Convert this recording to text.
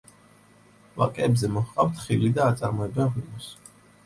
ვაკეებზე მოჰყავთ ხილი და აწარმოებენ ღვინოს.